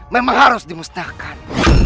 memang harus dimusnahkan